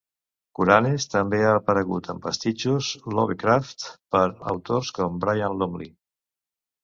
Kuranes també ha aparegut en pastitxos Lovecraft per autors com Brian Lumley.